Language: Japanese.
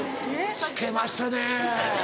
つけましたね。